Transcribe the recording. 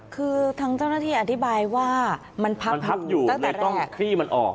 คือทั้งเจ้าหน้าที่อธิบายว่ามันพับอยู่ตั้งแต่แรกมันพับอยู่เลยต้องคลี่มันออก